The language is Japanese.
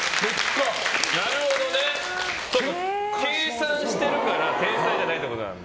計算してるから天才じゃないってことなんだ。